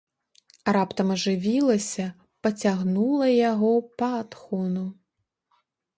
Раптам ажывілася, пацягнула яго па адхону.